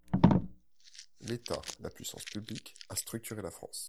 L’État – la puissance publique – a structuré la France.